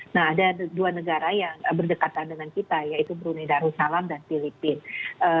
nah ada dua negara yang berdekatan dengan kita yaitu brunei darussalam dan filipina